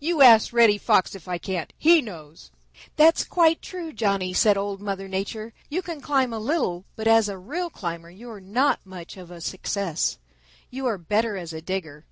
You ask Reddy Fox if I can't; he knows." "That's quite true, Johnny," said Old Mother Nature. "You can climb a little, but as a real climber you are not much of a success. You are better as a digger."